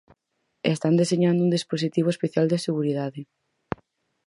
Están deseñando un dispositivo especial de seguridade.